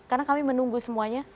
karena kami menunggu semuanya